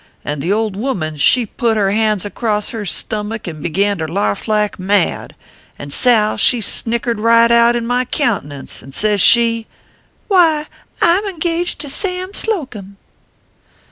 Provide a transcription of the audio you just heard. ; and the old woman, she put her hands across her stummik and begin to larf like mad, and Sal she snickered right eout in my countenance, and sez she : Why, I m engaged to Sam Slocum